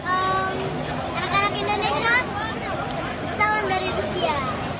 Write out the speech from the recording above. anak anak indonesia calon dari rusia